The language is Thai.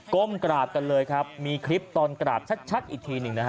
ก้มกราบกันเลยครับมีคลิปตอนกราบชัดอีกทีหนึ่งนะฮะ